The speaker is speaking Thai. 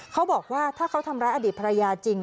เขาบอกว่าถ้าเขาทำร้ายอดีตภรรยาจริง